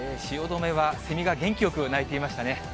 汐留はセミが元気よく鳴いていましたね。